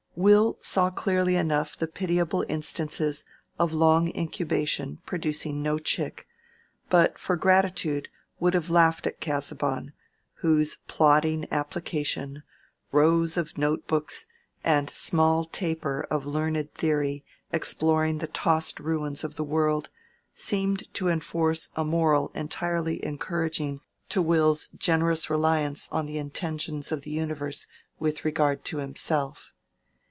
Will saw clearly enough the pitiable instances of long incubation producing no chick, and but for gratitude would have laughed at Casaubon, whose plodding application, rows of note books, and small taper of learned theory exploring the tossed ruins of the world, seemed to enforce a moral entirely encouraging to Will's generous reliance on the intentions of the universe with regard to himself.